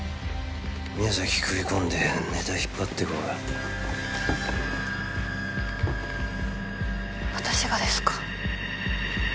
宮崎食い込んでネタ引っ張ってこい私がですか？